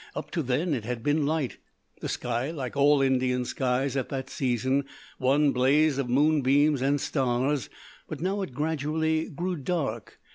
Up to then it had been light the sky, like all Indian skies at that season, one blaze of moonbeams and stars; but now it gradually grew dark.